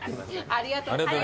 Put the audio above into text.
ありがとうございます。